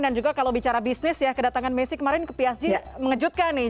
dan juga kalau bicara bisnis ya kedatangan messi kemarin ke psg mengejutkan nih